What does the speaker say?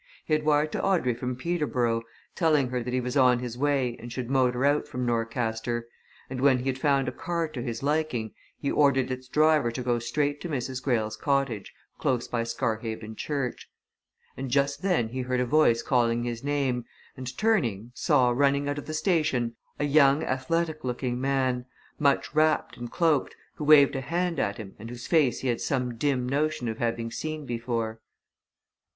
He had wired to Audrey from Peterborough, telling her that he was on his way and should motor out from Norcaster, and when he had found a car to his liking he ordered its driver to go straight to Mrs. Greyle's cottage, close by Scarhaven church. And just then he heard a voice calling his name, and turning saw, running out of the station, a young, athletic looking man, much wrapped and cloaked, who waved a hand at him and whose face he had some dim notion of having seen before.